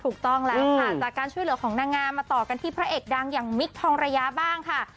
ถูกต้องแล้วค่ะจากการช่วยเหลือของนางงามมาต่อกันที่พระเอกดังอย่างมิคทองระยะบ้างค่ะ